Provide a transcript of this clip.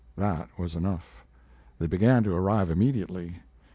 That was enough. They began to arrive immediately.